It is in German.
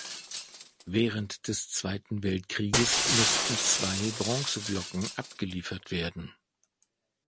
Während des Zweiten Weltkrieges mussten zwei Bronzeglocken abgeliefert werden.